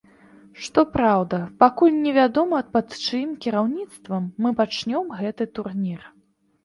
Што праўда, пакуль не вядома пад чыім кіраўніцтвам мы пачнём гэты турнір.